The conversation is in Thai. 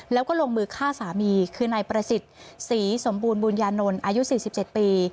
แล้วก็ลงมือฆ่าสามีคือนายประสิทธิ์ศรีสมบูรณบุญญานนท์อายุ๔๗ปี